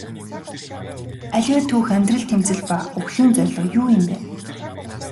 Аливаа түүх амьдрал тэмцэл ба үхлийн зорилго юу юм бэ?